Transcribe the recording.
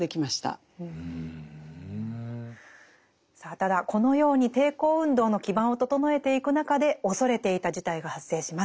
ただこのように抵抗運動の基盤を整えていく中で恐れていた事態が発生します。